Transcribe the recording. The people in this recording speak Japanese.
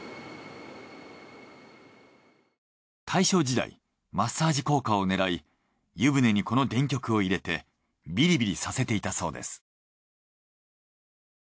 大正時代マッサージ効果を狙い湯船にこの電極を入れてビリビリさせていたそうです。